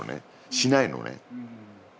しないのね。